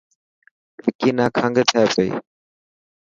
وڪي نا کنگ ٿي پئي .